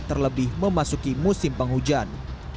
terlebih memasuki musim penghujan